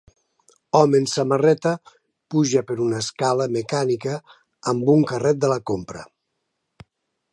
Home en samarreta puja per una escala mecànica amb un carret de la compra.